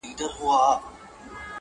o صدقه دي سم تر تكــو تــورو سترگو.